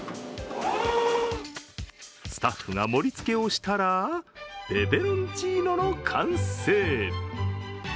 スタッフが盛りつけをしたらペペロンチーノの完成。